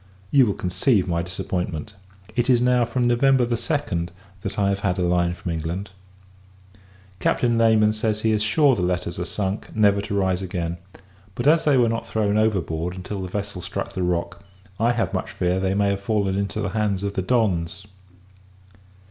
You will conceive my disappointment! It is now from November 2d, that I have had a line from England. Captain Layman says he is sure the letters are sunk, never to rise again; but, as they were not thrown overboard until the vessel struck the rock, I have much fear that they may have fallen into the hands of the Dons.